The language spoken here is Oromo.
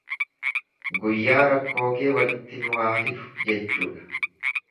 Guyyaa rakkoo kee walitti nu haafidu jechuudha.